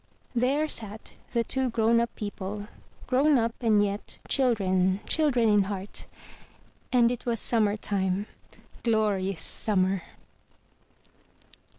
'* There sat the two grown up people; grown up, and yet children — children in heart. And it was summer time, glorious summer!